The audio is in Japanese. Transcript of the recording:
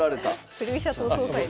振り飛車党総裁だ。